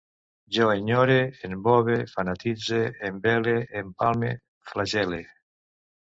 Jo enyore, embove, fanatitze, envele, empalme, flagel·le